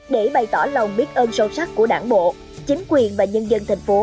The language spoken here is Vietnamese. để bày tỏ lòng biết ơn sâu sắc của đảng bộ chính quyền và nhân dân thành phố